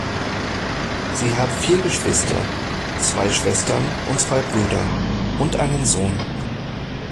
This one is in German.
Sie hat vier Geschwister, zwei Schwestern und zwei Brüder, und einen Sohn.